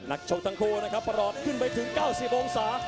ชกทั้งคู่นะครับประหลอดขึ้นไปถึง๙๐องศา